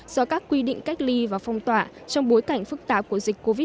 do các quy định cách ly và phong tỏa trong bối cảnh phức tạp của dịch covid một mươi chín